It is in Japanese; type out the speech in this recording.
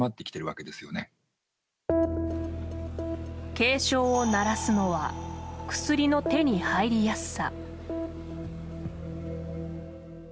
警鐘を鳴らすのは薬の手に入りやすさ。